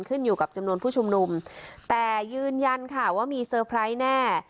ขึ้นอยู่กับจำนวนผู้ชุมนุมแต่ยืนยันค่ะว่ามีเซอร์ไพรส์แน่